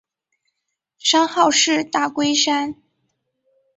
山号是大龟山。